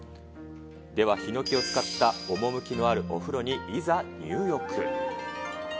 ではひのきを使った趣のあるお風呂にいざ入浴。